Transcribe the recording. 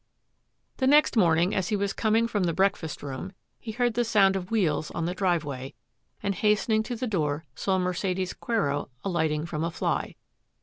The next morning, as he was coming from the breakfast room, he heard the sound of wheels on the driveway, and hastening to the door, saw Mercedes Quero alighting from a fly.